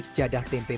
pertama tempe bacem